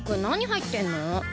何入ってんの？